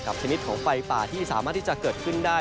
ชนิดของไฟป่าที่สามารถที่จะเกิดขึ้นได้